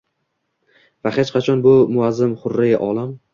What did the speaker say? Va hech qachon bu muazzam kurrai olam